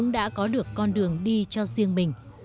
đã có được con đường đi cho riêng mình